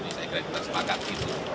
saya kira kita sepakat